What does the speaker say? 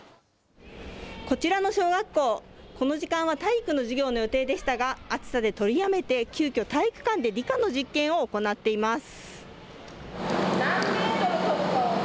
こちらの小学校、この時間は体育の授業の予定でしたが、暑さで取りやめて、急きょ、体育館で理科の実験を行っています。